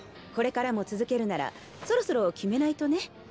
これからも続けるならそろそろ決めないとね。